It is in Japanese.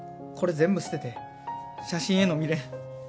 これ全部捨てて写真への未練